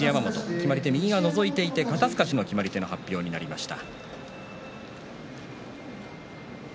決まり手は右がのぞいていて肩すかしの決まり手の発表になりました。